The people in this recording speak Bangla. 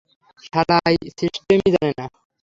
শালায় সিস্টেমই জানে না।